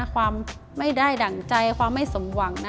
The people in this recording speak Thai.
ความไม่ได้ดั่งใจความไม่สมหวัง